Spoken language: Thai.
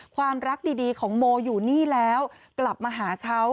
ความรักดีของโมอยู่นี่แล้วกลับมาหาเขา